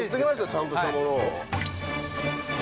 ちゃんとしたものを。